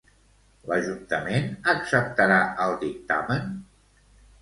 L'ajuntament acceptarà el dictamen?